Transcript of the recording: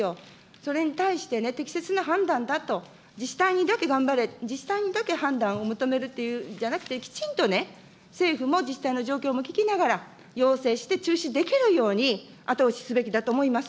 それに対してね、適切な判断だと、自治体にだけ頑張れ、自治体にだけ判断を求めるっていうんじゃなくて、きちんとね、政府も自治体の状況も聞きながら、要請して、中止できるように後押しすべきだと思います。